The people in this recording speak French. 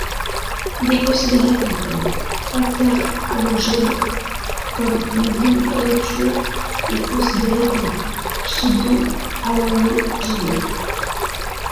Il est considéré comme un interhalogène, comme l'ion azoture est considéré comme un pseudohalogénure.